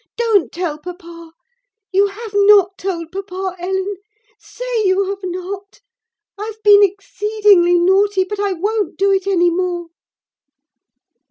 Don't tell papa. You have not told papa, Ellen? say you have not? I've been exceedingly naughty, but I won't do it any more!"